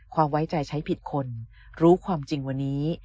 ไว้ใจใช้ผิดคนรู้ความจริงวันนี้